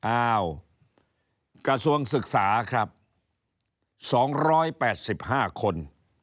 อ้าวกระทรวงศึกษาครับสองร้อยแปดสิบห้าคน